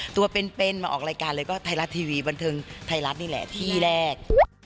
ตัวเป็นมาออกรายการเลยก็ให้ทั้งไทยรัตน์ทีวีบนทึงไทยแหละที่แรก